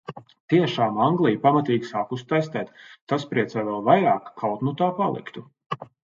Tiešām Anglija pamatīgi sākusi testēt, tas priecē vēl vairāk, kaut nu tā paliktu.